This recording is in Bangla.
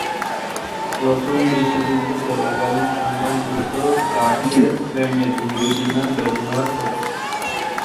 প্রথম বিশ্বযুদ্ধ চলাকালীন সময়ে মূলত কাঠের ফ্রেমে তৈরী বিমান ব্যবহার করা হত।